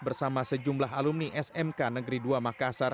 bersama sejumlah alumni smk